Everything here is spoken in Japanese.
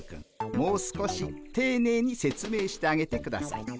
もう少していねいに説明してあげてください。